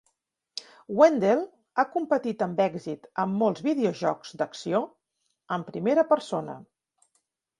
Wendel ha competit amb èxit en molts videojocs d'acció en primera persona.